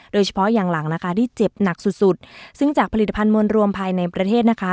โดยเฉพาะอย่างหลังนะคะที่เจ็บหนักสุดสุดซึ่งจากผลิตภัณฑ์มวลรวมภายในประเทศนะคะ